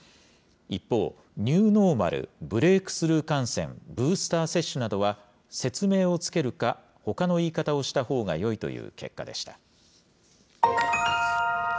一方、ニューノーマル、ブレークスルー感染、ブースター接種などは、説明をつけるか、ほかの言い方をしたほうがよいという結果でした。